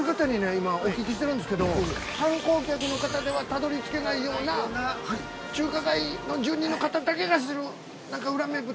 今お聞きしてるんですけど観光客の方ではたどり着けないような中華街の住人の方だけが知る何か裏名物。